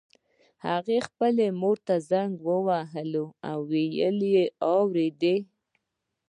هغه خپلې مور ته زنګ وواهه او ويې واورېده.